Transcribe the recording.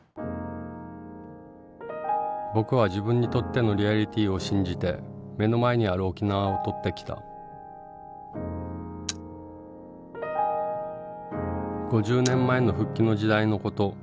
僕は自分にとってのリアリティーを信じて目の前にある沖縄を撮ってきた５０年前の復帰の時代のこと。